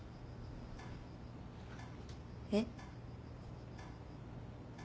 えっ？